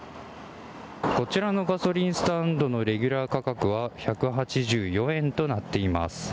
こちらのガソリンスタンドのレギュラー価格は１８４円となっています。